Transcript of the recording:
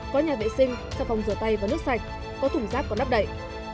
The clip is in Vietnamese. có nhà vệ sinh xa phòng rửa tay và nước sạch có thủng rác còn nắp đẩy